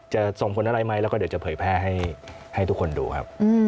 ส่งผลอะไรไหมแล้วก็เดี๋ยวจะเผยแพร่ให้ทุกคนดูครับ